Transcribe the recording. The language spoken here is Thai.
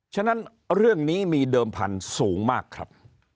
ฉะนั้นเรื่องนี้มีเดิมพันธุ์สูงมากครับ